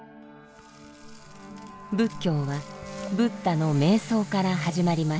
仏教はブッダの瞑想から始まりました。